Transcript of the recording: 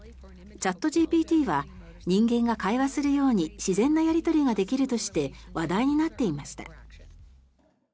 チャットＧＰＴは人間が会話するように自然なやり取りができるとして話題になっていました。